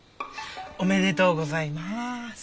おめでとうございます。